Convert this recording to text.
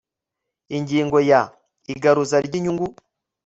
Ingingo ya Igaruza ry inyungu